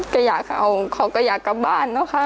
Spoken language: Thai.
ก็อยากเอาเขาก็อยากกลับบ้านนะคะ